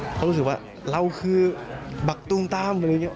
เพราะรู้สึกว่าเราคือบักตูงตาม